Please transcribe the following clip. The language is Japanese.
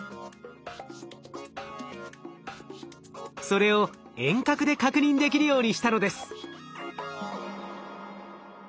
それを遠隔で確認できるようにしたのです。